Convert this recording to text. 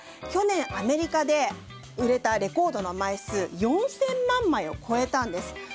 去年、アメリカで売れたレコードの枚数が４０００万枚を超えたんです。